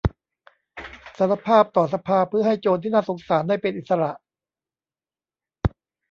สารภาพต่อสภาเพื่อให้โจรที่น่าสงสารได้เป็นอิสระ